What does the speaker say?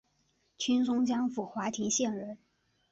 清松江府华亭县人。